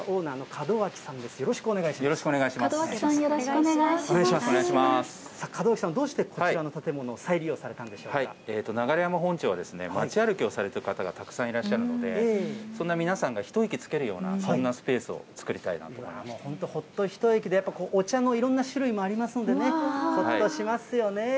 門脇さん、よろしくお願いし門脇さん、どうしてこちらの流山本町は、街歩きをされてる方がたくさんいらっしゃいますので、そんな皆さんが一息つけるような、そんなスペースを作りたいと思い本当、ほっと一息で、お茶もいろんな種類もありますんでね、ほっとしますよね。